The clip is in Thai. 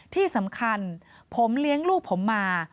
ที่สำคัญผมเลี้ยงลูกผมมา